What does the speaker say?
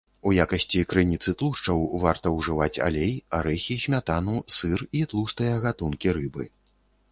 У якасці крыніцы тлушчаў варта ўжываць алей, арэхі, смятану, сыр і тлустыя гатункі рыбы.